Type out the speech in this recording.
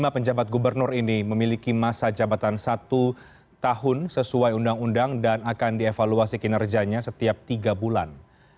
lima penjabat gubernur ini memiliki masa jabatan satu tahun sesuai undang undang dan akan dievaluasi kinerjanya setiap tiga bulan